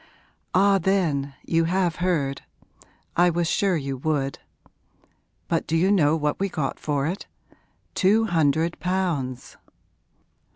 'Ah then, you have heard? I was sure you would! But do you know what we got for it? Two hundred pounds.'